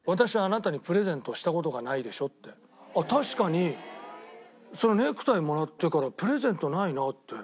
確かにそのネクタイもらってからプレゼントないなって。